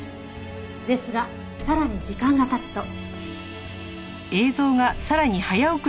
ですがさらに時間が経つと。